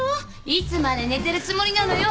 いつまで寝てるつもりなのよ。